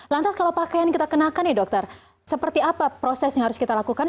lantas kalau pakaian kita kenakan ya dokter seperti apa proses yang harus kita lakukan